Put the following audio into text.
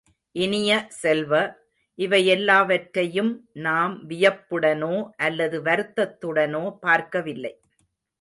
இனிய செல்வ, இவையெல்லாவற்றையும் நாம் வியப்புடனோ அல்லது வருத்தத்துடனோ பார்க்கவில்லை!